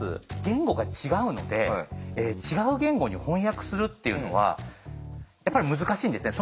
言語が違うので違う言語に翻訳するっていうのはやっぱり難しいんですね。